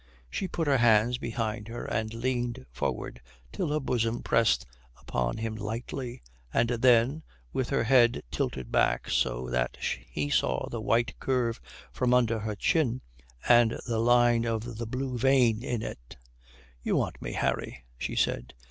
She put her hands behind her and leaned forward till her bosom pressed upon him lightly, and then, with her head tilted back so that he saw the white curve from under her chin, and the line of the blue vein in it, "You want me, Harry," she said.